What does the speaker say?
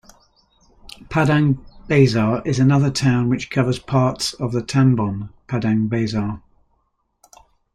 Padang Besar is another town which covers parts of the "tambon" Padang Besar.